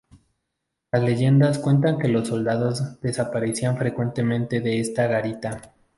Las leyendas cuentan que los soldados desaparecían frecuentemente de esta garita.